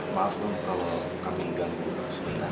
maaf bung kalau kami ganggu sebentar